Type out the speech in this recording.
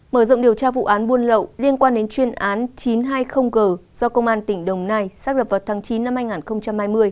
mở rộng điều tra vụ án buôn lậu liên quan đến chuyên án chín trăm hai mươi g do công an tỉnh đồng nai xác lập vào tháng chín năm hai nghìn hai mươi